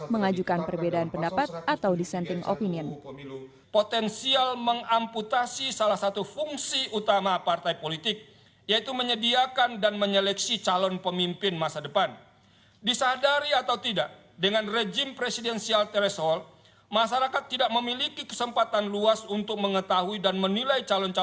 mengajukan perbedaan pendapat atau dissenting opinion